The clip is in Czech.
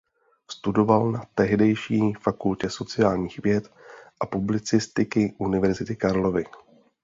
Studoval na tehdejší Fakultě sociálních věd a publicistiky Univerzity Karlovy.